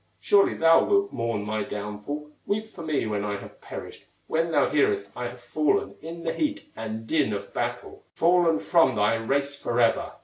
Surely thou wilt mourn my downfall, Weep for me when I have perished, When thou hearest I have fallen In the heat and din of battle, Fallen from thy race forever!"